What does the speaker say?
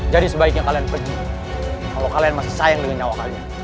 sebaiknya kalian pergi kalau kalian masih sayang dengan nyawa kalian